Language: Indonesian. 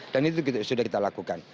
dan itu sudah kita lakukan